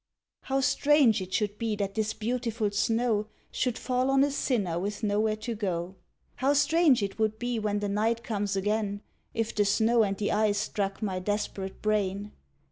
How strange it should be that this beautiful snow Should fall on a sinner with nowhere to go! How strange it would be, when the night comes again, If the snow and the ice struck my desperate brain!